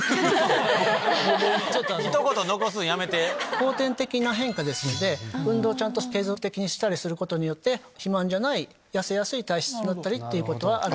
後天的な変化ですので運動ちゃんと継続的にしたりすることによって肥満じゃない痩せやすい体質になったりってことはある。